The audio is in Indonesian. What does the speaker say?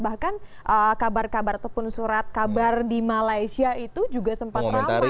bahkan kabar kabar ataupun surat kabar di malaysia itu juga sempat ramai